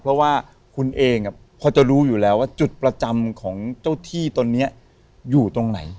เพราะว่าคุณเองพอจะรู้อยู่แล้วว่าจุดประจำของเจ้าที่ตอนนี้อยู่ตรงไหน